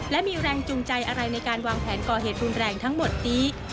และมีแรงจูงใจอะไรในการวางแผนก่อเหตุรุนแรงทั้งหมดนี้